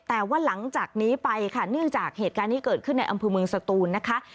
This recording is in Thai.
แต่ว่าหลังจากนี้ไปค่ะเนื่องจากเหตุการณ์ที่เกิดขึ้นในอำเภอเมืองสตูนนะคะ